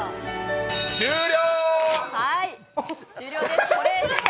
終了！